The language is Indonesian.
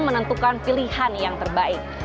menentukan pilihan yang terbaik